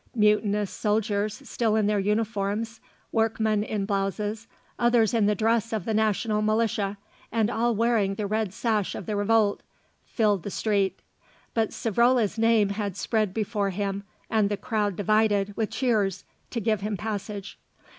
Mutinous soldiers still in their uniforms, workmen in blouses, others in the dress of the National Militia, and all wearing the red sash of the revolt, filled the street. But Savrola's name had spread before him and the crowd divided, with cheers, to give him passage.